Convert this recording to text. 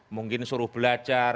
mungkin suruh belajar